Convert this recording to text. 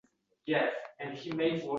Onajon men seni juda sogindim